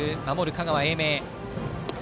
香川・英明。